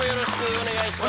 お願いします。